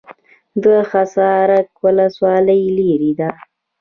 د حصارک ولسوالۍ لیرې ده